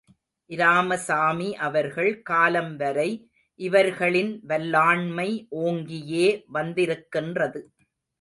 இராமசாமி அவர்கள் காலம் வரை இவர்களின் வல்லாண்மை ஓங்கியே வந்திருக்கின்றது.